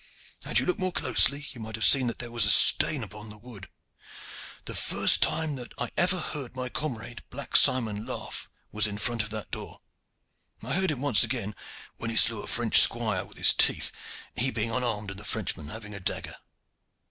"Had you looked more closely you might have seen that there was a stain upon the wood. The first time that I ever heard my comrade Black Simon laugh was in front of that door. I heard him once again when he slew a French squire with his teeth, he being unarmed and the Frenchman having a dagger."